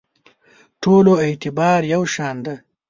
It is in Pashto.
ټولو اعتبار یو شان دی.